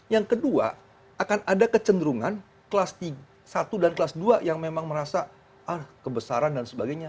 yang kedua akan ada kecenderungan kelas satu dan kelas dua yang memang merasa kebesaran dan sebagainya